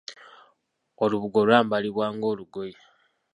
Olubugo lwambalibwa ng'olugoye.